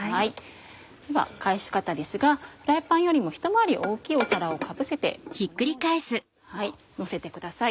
では返し方ですがフライパンよりもひと回り大きい皿をかぶせてこのようにのせてください。